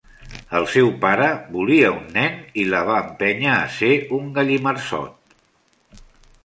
El seu pare volia un nen i la va empènyer a ser un gallimarsot.